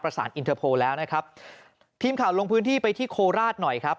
อินเทอร์โพลแล้วนะครับทีมข่าวลงพื้นที่ไปที่โคราชหน่อยครับ